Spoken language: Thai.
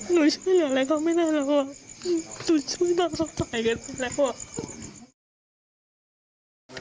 หนูช่วยเรียกอะไรเข้าไม่ได้แล้วหนูช่วยรักหนุ่มสมมัยกันไปแล้ว